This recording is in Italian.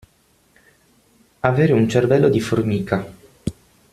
Avere un cervello di formica.